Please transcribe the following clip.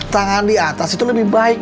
tangan di atas itu lebih baik